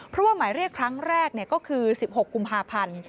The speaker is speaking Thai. เพราะว่าหมายเรียกครั้งแรกก็คือ๑๖กุมภาพันธ์